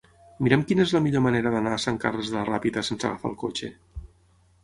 Mira'm quina és la millor manera d'anar a Sant Carles de la Ràpita sense agafar el cotxe.